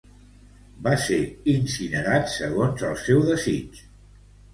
Va ser incinerat segons el seu desig.